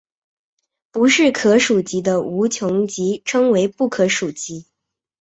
不是可数集的无穷集称为不可数集。